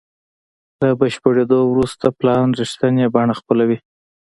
له بشپړېدو وروسته پلان رښتینې بڼه خپلوي.